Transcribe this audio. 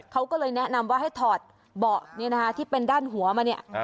เขาก็เลยแนะนำว่าให้ถอดเบาะที่เป็นด้านหัวมาเนี่ย